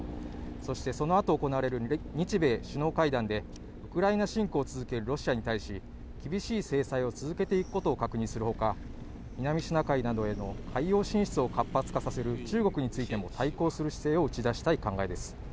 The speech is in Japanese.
そして、そのあと行われる日米首脳会談でウクライナ侵攻を続けるロシアに対し厳しい制裁を続けていくことを確認するほか、南シナ海などへの海洋進出を活発化させる中国についても対抗する姿勢を打ち出したい考えです。